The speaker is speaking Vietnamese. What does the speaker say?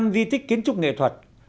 một mươi năm di tích kiến trúc nghệ thuật